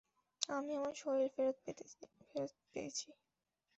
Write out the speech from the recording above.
আমি আমার শরীর ফেরত পেয়েছি।